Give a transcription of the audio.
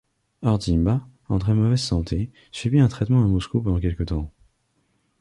Ardzimba, en très mauvaise santé, subit un traitement à Moscou pendant quelque temps.